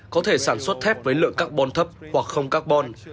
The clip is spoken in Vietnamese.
có thể sản xuất thép với lượng carbon thấp hoặc không carbon